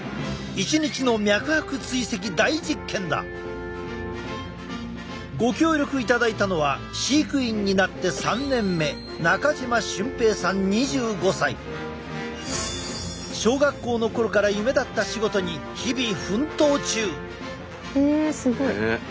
一日の脈拍追跡大実験だ！ご協力いただいたのは飼育員になって３年目小学校の頃から夢だった仕事に日々奮闘中！